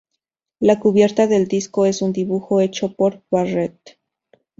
La cubierta del disco es un dibujo hecho por Barrett.